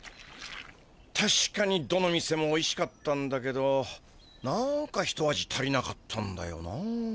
たしかにどの店もおいしかったんだけどなんか一味足りなかったんだよなあ。